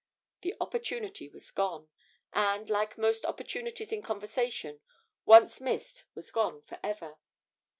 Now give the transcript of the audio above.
The opportunity was gone, and, like most opportunities in conversation, once missed was gone for ever.